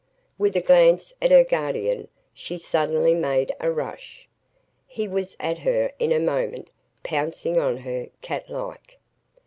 With a glance at her guardian, she suddenly made a rush. He was at her in a moment, pouncing on her, cat like.